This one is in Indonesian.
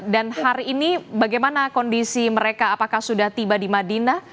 dan hari ini bagaimana kondisi mereka apakah sudah tiba di madinah